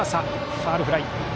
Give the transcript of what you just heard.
ファウルフライ。